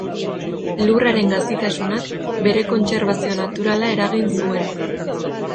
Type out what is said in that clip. Lurraren gazitasunak, bere kontserbazio naturala eragin zuen.